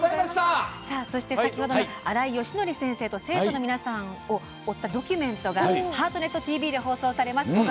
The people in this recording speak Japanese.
そして、先ほどの新井淑則先生と生徒の皆さんを追ったドキュメントが「ハートネットＴＶ」で放送されます。